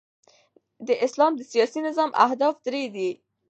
د اسلام د سیاسي نظام اهداف درې دي.